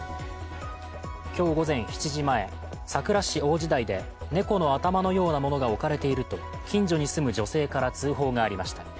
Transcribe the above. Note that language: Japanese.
今日午前７時前、佐倉市王子台で猫の頭のようなものが置かれていると近所に住む女性から通報がありました。